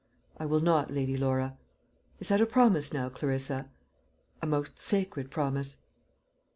"I will not, Lady Laura." "Is that a promise, now, Clarissa?" "A most sacred promise."